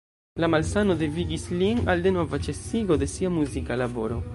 La malsano devigis lin al denova ĉesigo de sia muzika laboro.